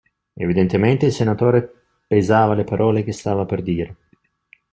Evidentemente, il senatore pesava le parole che stava per dire.